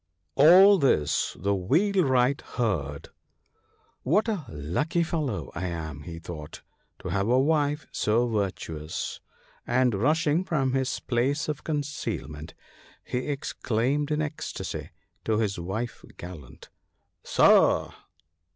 All this the Wheelwright heard. " What a lucky fellow I am," he thought, " to have a wife so virtuous," and rush war. 97 ing from his place of concealment, he exclaimed in ecstasy to his wife's gallant, " Sir